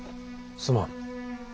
すまん。